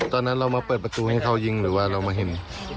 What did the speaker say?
ตอนนั้นเรามาเปิดประตูให้เขายิงหรือว่าเรามาเห็น